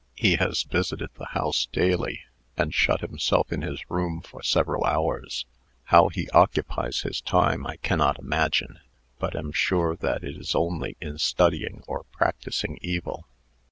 He has visited the house daily, and shut himself in his room for several hours. How he occupies his time, I cannot imagine, but am sure that it is only in studying or practising evil."